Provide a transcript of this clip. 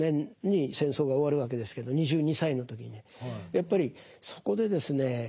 やっぱりそこでですね